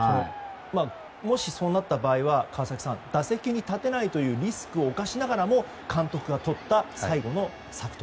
もしそうなった場合は川崎さん、打席に立てないというリスクを冒しながらも監督がとった最後の策と。